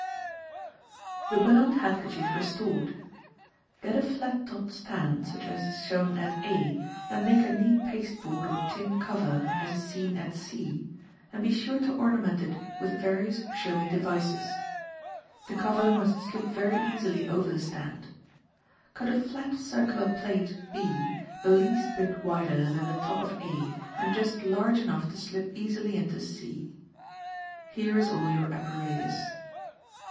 The Burned Handkerchief Restored.—Get a flat topped stand, such as is shown at A, and make a neat pasteboard or tin cover, as is seen at C, and be sure to ornament it with various showy devices. The cover must slip very easily over the stand. Cut a flat circular plate, B, the least bit wider than the top of A, and just large enough to slip easily into C. Here is all your apparatus.